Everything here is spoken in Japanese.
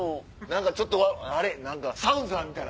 何かちょっとあれ。